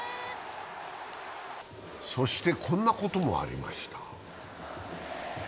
そしてこんなこともありました。